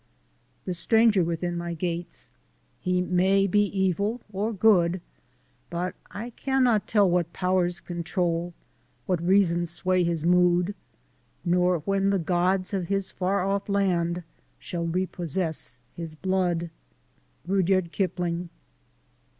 The Stranger within my gates, He may be evil or good, But I cannot tell what powers control What reasons sway his mood; Nor when the gods of his far off land Shall repossess his blood. Rudyard Kipling.